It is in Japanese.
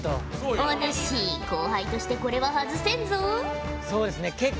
お主後輩としてこれは外せんぞ。